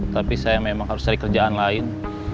tapi saya memang harus cari kerjaan lain